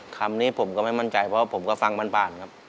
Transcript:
คำนี้ผมก็ไม่มั่นใจเพราะผมก็ฟังบ้านครับ